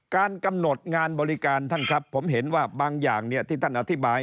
การกำหนดงานบริการท่านครับผมเห็นว่าบางอย่างที่ท่านอธิบาย